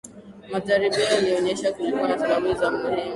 majaribio yalionyesha kulikuwa na sababu za muhimu